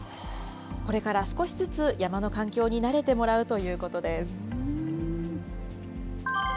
これから少しずつ山の環境に慣れてもらうということです。